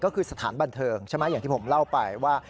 ก็คือสถานบันเทิงใช่ไหมอย่างที่ผมเล่าไปว่า